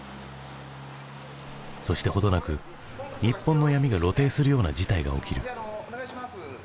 そして程なく日本の闇が露呈するような事態が起きる。